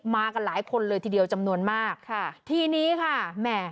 มากันหลายคนเลยทีเดียวจำนวนมากค่ะทีนี้ค่ะแหม่